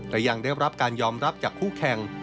และยังได้รับการยอมรับจากคู่แข่ง